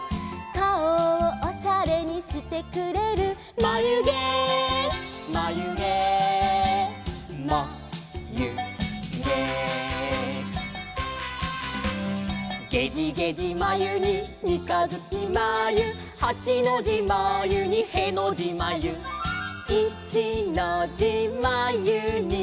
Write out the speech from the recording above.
「かおをおしゃれにしてくれる」「まゆげまゆげまゆげ」「げじげじまゆにみかづきまゆ」「はちのじまゆにへのじまゆ」「いちのじまゆに」